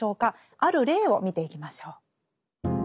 ある例を見ていきましょう。